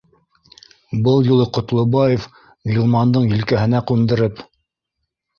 Был юлы Ҡотлобаев Ғилмандың елкәһенә ҡундырып